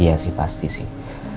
iya sih pasti sih